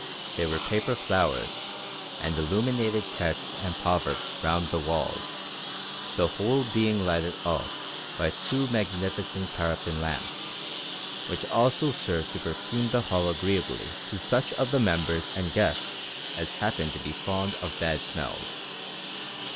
There were paper flowers, and illuminated texts and proverbs round the walls, the whole being lighted up by two magnificent paraffin lamps, which also served to perfume the hall agreeably to such of the members and guests as happened to be fond of bad smells.